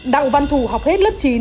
đặng văn thủ học hết lớp chín